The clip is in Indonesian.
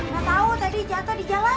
gak tau tadi jatoh di jalan